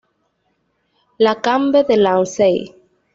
La Combe-de-Lancey